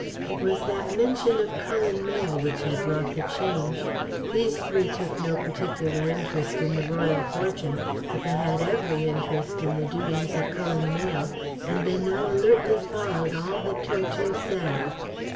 It was that mention of Cullen Mayle which had wrought the change. These three took no particular interest in the Royal Fortune, but they had every interest in the doings of Cullen Mayle, and they now alertly followed all that Tortue said.